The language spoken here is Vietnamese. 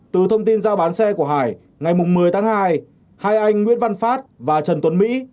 từ thông tin giao bán xe của hải ngày một mươi tháng hai hai anh nguyễn văn phát và trần tuấn mỹ